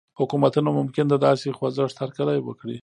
حکومتونه ممکن د داسې خوځښت هرکلی وکړي.